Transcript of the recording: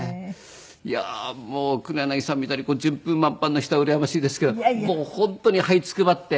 いやもう黒柳さんみたいに順風満帆な人がうらやましいですけどもう本当に這いつくばって。